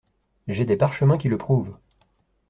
J’ai des parchemins qui le prouvent.